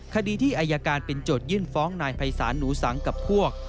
คดีที่อายการเป็นโจทยื่นฟ้องนายภัยศาลหนูสังกับพวก